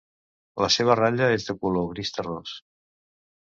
La seva ratlla és de color gris terrós.